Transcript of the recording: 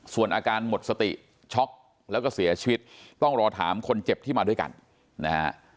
ส่วนอาการหมดสติช็อกแล้วก็เสียชีวิตต้องรอถามคนเจ็บที่มาด้วยกันนะฮะ